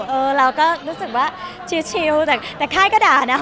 เออเราก็รู้สึกว่าชิลแต่ค่ายก็ด่านะ